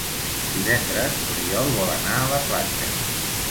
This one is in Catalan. Divendres n'Oriol vol anar a la platja.